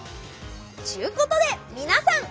ちゅうことで皆さん。